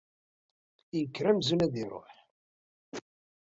Ikker amzun ad iṛuḥ.